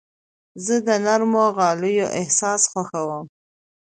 زه د نرمو غالیو احساس خوښوم.